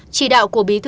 chỉ đạo của bí thư